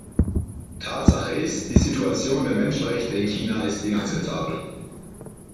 Tatsache ist, die Situation der Menschenrechte in China ist inakzeptabel.